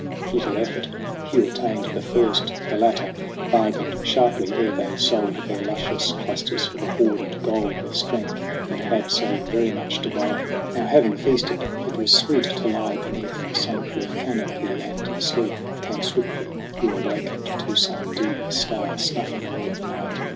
With little effort Hugh attained the first ; The latter bargained sharply ere they sold Their luscious clusters for the hoarded gold Of strength that had so very much to buy. THE CRAWL 45 Now, having feasted, it was sweet to lie Beneath a sun proof canopy ; and sleep Came swiftly. Hugh awakened to some deep Star snuffing well of night.